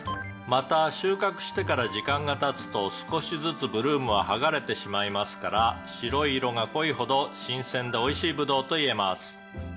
「また収穫してから時間が経つと少しずつブルームは剥がれてしまいますから白い色が濃いほど新鮮でおいしいぶどうと言えます」